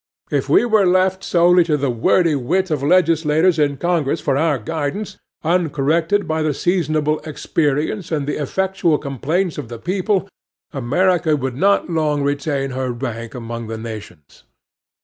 If we were left solely to the wordy wit of legislators in Congress for our guidance, uncorrected by the seasonable experience and the effectual complaints of the people, America would not long retain her rank among the nations.